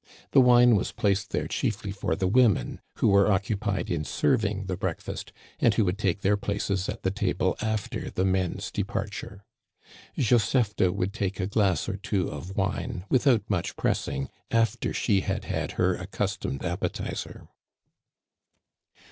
*' The wine was placed there chiefly for the women, who were occupied in serving the breakfast, and who would take their places at the table after the men's departure. Josephte would take a glass or two of wine without much pressing after she had had her accus tomed appetizer.